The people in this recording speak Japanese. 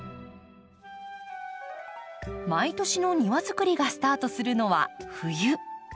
毎年の庭づくりがスタートするのは冬。